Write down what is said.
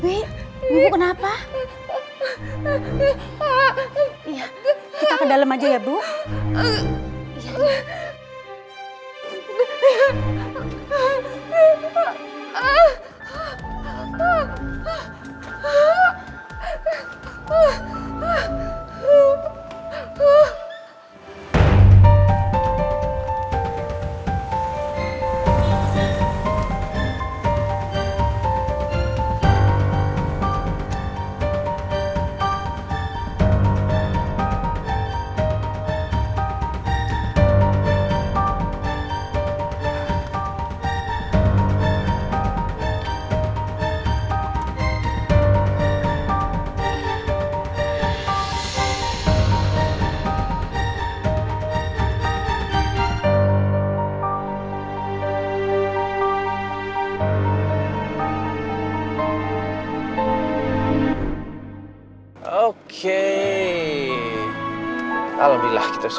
ya saat perubahan darimu